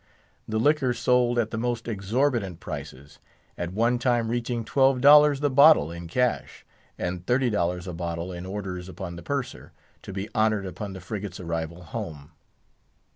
The liquor sold at the most exorbitant prices; at one time reaching twelve dollars the bottle in cash, and thirty dollars a bottle in orders upon the Purser, to be honored upon the frigate's arrival home.